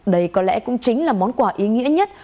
đây có lẽ cũng chính là món quà ý nghĩa nhất